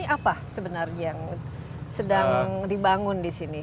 ini apa sebenarnya yang sedang dibangun disini